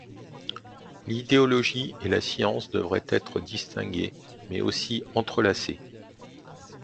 L'idéologie et la science devraient être distinguées, mais aussi entrelacées.